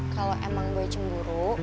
kalo emang boy cemburu